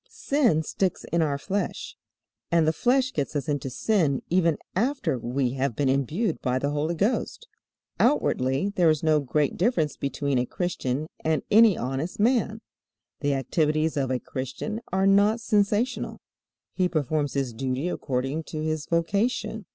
Sin sticks in our flesh, and the flesh gets us into sin even after we have been imbued by the Holy Ghost. Outwardly there is no great difference between a Christian and any honest man. The activities of a Christian are not sensational. He performs his duty according to his vocation.